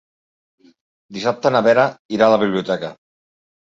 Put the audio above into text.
Dissabte na Vera irà a la biblioteca.